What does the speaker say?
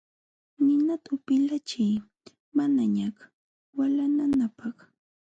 Ninata upilachiy manañaq walananapaq.